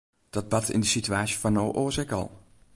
Dat bart yn de situaasje fan no oars ek al.